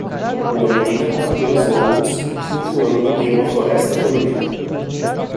Uma menina com cabelos longos, flutuando em uma floresta colorida